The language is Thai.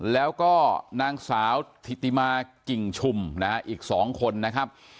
แล้วก็นางสาวถิติมากิ่งชุมนะฮะอีก๒คนนะครับ